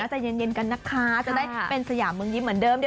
ใจเย็นกันนะคะจะได้เป็นสยามเมืองยิ้มเหมือนเดิม